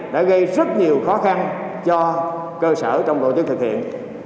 đã gây rất nhiều khó khăn cho cơ sở trong tổ chức thực hiện